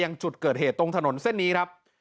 ยังจุดเกิดเหตุตรงถนนเส้นนี้ครับ